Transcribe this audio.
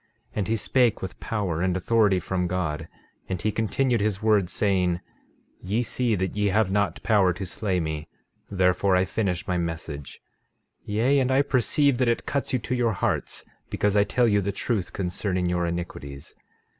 13:6 And he spake with power and authority from God; and he continued his words, saying: 13:7 Ye see that ye have not power to slay me, therefore I finish my message. Yea, and I perceive that it cuts you to your hearts because I tell you the truth concerning your iniquities.